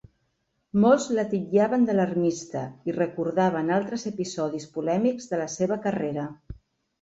Molts la titllaven d'alarmista i recordaven altres episodis polèmics de la seva carrera.